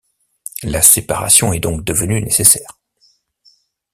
La séparation est donc devenue nécessaire.